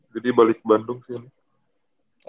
jadi balik bandung sih